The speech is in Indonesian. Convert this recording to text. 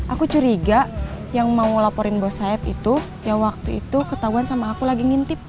aku curiga yang mau laporin bos sayap itu yang waktu itu ketahuan sama aku lagi ngintip